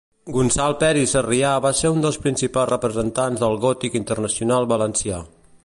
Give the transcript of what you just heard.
Gonçal Peris Sarrià va ser un dels principals representants del gòtic internacional valencià.